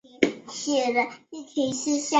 伊斯兰世界香炉形状通常是山猫形状的。